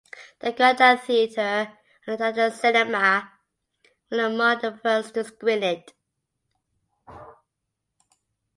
The Granada Theatre and the Tatler Cinema were among the first to screen it.